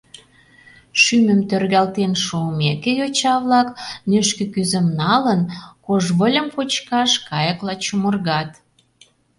Шӱмым тӧргалтен шуымеке, йоча-влак, нӱшкӧ кӱзым налын, кож выльым кочкаш кайыкла чумыргат.